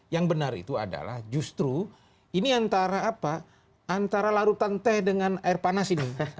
yang benar itu adalah justru ini antara apa antara larutan teh dengan air panas ini